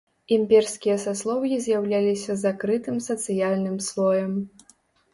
Імперскія саслоўі з'яўляліся закрытым сацыяльным слоем.